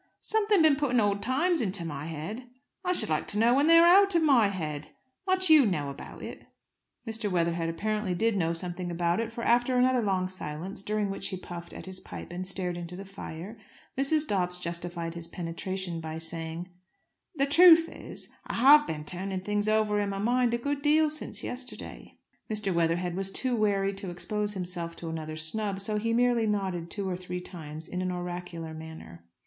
"Something been putting old times into my head? I should like to know when they're out of my head! Much you know about it!" Mr. Weatherhead apparently did know something about it; for after another long silence, during which he puffed at his pipe and stared into the fire, Mrs. Dobbs justified his penetration by saying "The truth is, I have been turning things over in my mind a good deal since yesterday." Mr. Weatherhead was too wary to expose himself to another snub, so he merely nodded two or three times in an oracular manner.